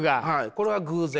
これは偶然。